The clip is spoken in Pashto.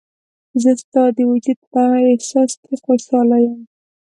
زه ستا د وجود په هر احساس کې خوشحاله یم.